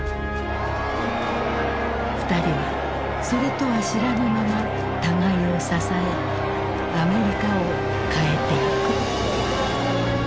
２人はそれとは知らぬまま互いを支えアメリカを変えていく。